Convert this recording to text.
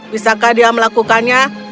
bisakah dia melakukannya